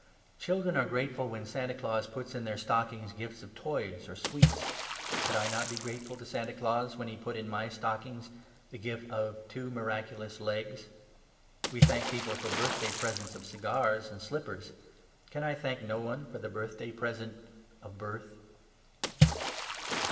Children are grateful when Santa Claus puts in their stockings gifts of toys or sweets. Could I not be grateful to Santa Claus when he put in my stockings the gift of two miraculous legs? We thank people for birthday presents of cigars and slippers. Can I thank no one for the birthday present of birth?